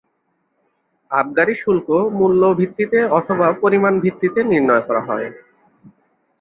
আবগারি শুল্ক মূল্যভিত্তিতে অথবা পরিমাণভিত্তিতে নির্ণয় করা হয়।